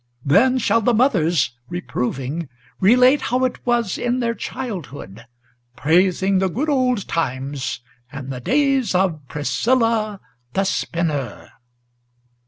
Then shall the mothers, reproving, relate how it was in their childhood, Praising the good old times, and the days of Priscilla the spinner!"